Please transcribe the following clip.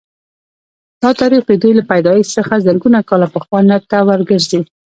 دا تاریخ د دوی له پیدایښت څخه زرګونه کاله پخوا ته ورګرځي